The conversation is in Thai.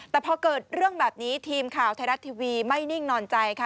แต่พอเกิดเรื่องแบบนี้ทีมข่าวไทยรัฐทีวีไม่นิ่งนอนใจค่ะ